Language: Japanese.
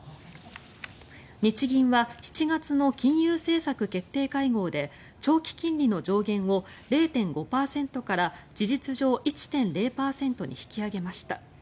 日銀は７月の金融政策決定会合で長期金利の上限を０．５％から事実上１．０％に引き上げました。